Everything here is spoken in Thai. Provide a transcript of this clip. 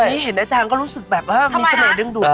อันนี้เห็นอาจารย์ก็รู้สึกแบบว่ามีเสน่หเรื่องด่วน